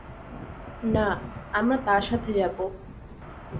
না, আমরা তার সাথে যাব।